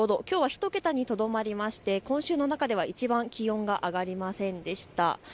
きょうは１桁にとどまりまして今週の中ではいちばん気温が上がりませんでした。